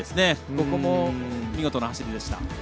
ここも、見事な走りでした。